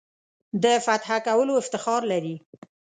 د فتح کولو افتخار لري.